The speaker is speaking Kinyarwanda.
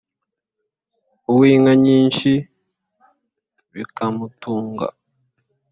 Uw'inka nyinshi bikamutunga